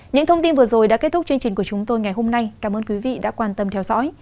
những thông tin vừa rồi đã kết thúc chương trình của chúng tôi ngày hôm nay cảm ơn quý vị đã quan tâm theo dõi